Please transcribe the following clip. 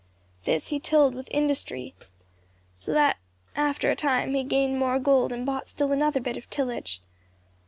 This he tilled with industry, so that after a time he gained more gold and bought still another bit of tillage.